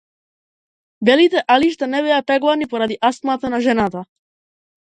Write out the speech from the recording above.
Белите алишта не беа пеглани поради астмата на жената.